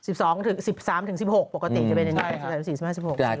๑๒๑๓๑๖ปกติจะเป็นอันนี้